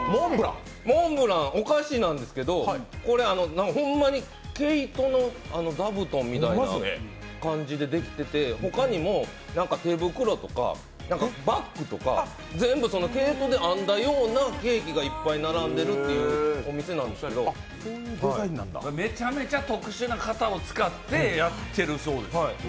モンブラン、お菓子なんですけど、これ、ほんまに毛糸の座布団みたいにできてて、他にも手袋とかバッグとか、全部毛糸で編んだようなケーキがいっぱい並んでいるっていうお店なんですけどめちゃめちゃ特殊な型を使ってやってるそうです。